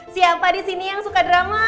siapa disini yang suka drama